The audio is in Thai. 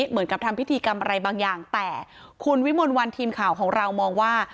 เหมือนกับทำพิธีกรรมอะไรบางอย่างแต่คุณวิมลวันทีมข่าวของเรามองว่า